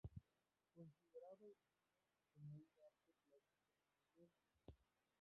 Consideraba el cine como un "arte plástico en movimiento".